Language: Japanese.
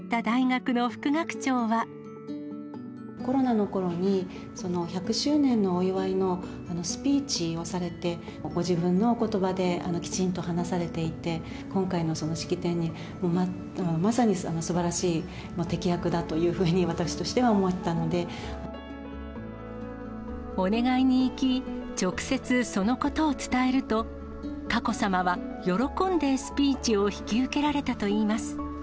コロナのころに、１００周年のお祝いのスピーチをされて、ご自分のおことばできちんと話されていて、今回の式典にまさにすばらしい適役だというふうに、私としては思お願いに行き、直接そのことを伝えると、佳子さまは喜んでスピーチを引き受けられたといいます。